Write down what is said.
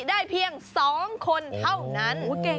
ได้เพียง๒คนเท่านั้น